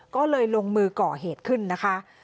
ก็เลยลงมือก่อเหตุขึ้นนะคะ